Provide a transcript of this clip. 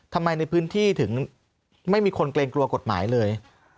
ในพื้นที่ถึงไม่มีคนเกรงกลัวกฎหมายเลย